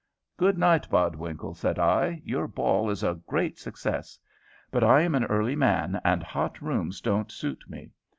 "Good night, Bodwinkle," said I; "your ball is a great success, but I am an early man, and hot rooms don't suit me.